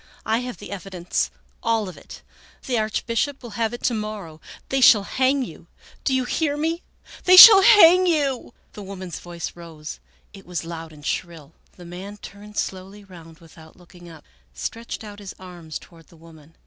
I have the evidence, all of it. The Archbishop will have it to morrow. They shall hang you ! Do you hear me ? They shall hang you !" The woman's voice rose, it was loud and shrill. The man turned slowly round without looking up, and stretched out his arms toward the woman.